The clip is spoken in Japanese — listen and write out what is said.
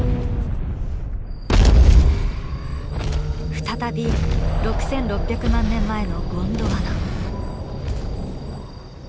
再び６６００万年前のゴンドワナ。